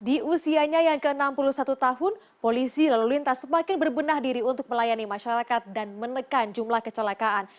di usianya yang ke enam puluh satu tahun polisi lalu lintas semakin berbenah diri untuk melayani masyarakat dan menekan jumlah kecelakaan